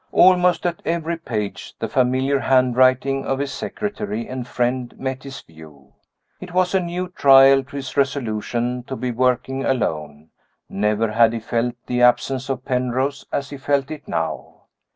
Almost at every page the familiar handwriting of his secretary and friend met his view. It was a new trial to his resolution to be working alone; never had he felt the absence of Penrose as he felt it now.